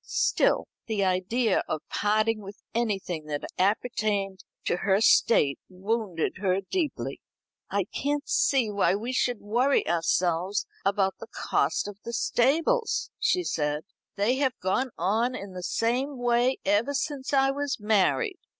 Still the idea of parting with anything that appertained to her state wounded her deeply. "I can't see why we should worry ourselves about the cost of the stables," she said; "they have gone on in the same way ever since I was married.